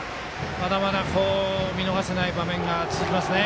まだまだ、見逃せない場面が続きますね。